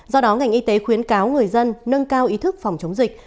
do đó ngành y tế khuyến cáo người dân nâng cao ý thức phòng chống dịch